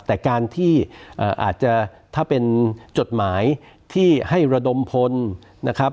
แต่การที่อาจจะถ้าเป็นจดหมายที่ให้ระดมพลนะครับ